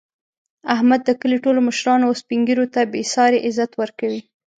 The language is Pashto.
احمد د کلي ټولو مشرانو او سپین ږېرو ته بې ساري عزت ورکوي.